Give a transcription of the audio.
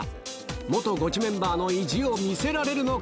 元ゴチメンバーの意地を見せられるのか。